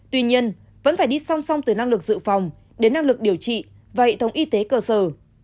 tuy nhiên vẫn phải đi song song từ năng lực dự phòng đến năng lực điều trị và hệ thống y tế cơ sở